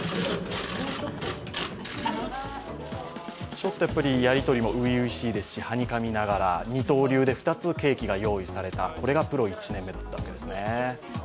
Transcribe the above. ちょっと、やり取りも初々しいですしはにかみながら、二刀流で２つケーキが用意された、これがプロ１年目だったわけですね